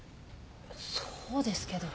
そうですけど。